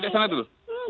dek sana dulu